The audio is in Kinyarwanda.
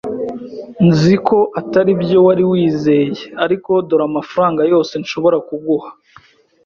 Nzi ko atari byo wari wizeye, ariko dore amafaranga yose nshobora kuguha.